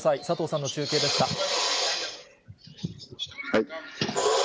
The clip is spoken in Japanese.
佐藤さんの中継でした。